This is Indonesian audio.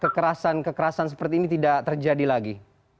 kekerasan kekerasan seperti ini tidak terjadi lagi